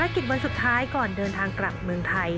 กิจวันสุดท้ายก่อนเดินทางกลับเมืองไทย